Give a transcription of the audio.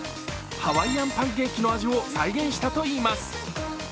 ハワイアンパンケーキの味を再現したといいます。